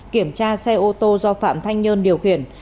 kiểm tra xe ô tô do phạm thanh nhơn điều khiển